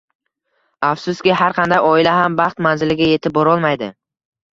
Afsuski, har qanday oila ham baxt manziliga yetib borolmaydi.